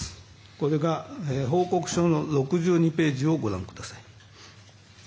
これが報告書の６２ページをご覧ください。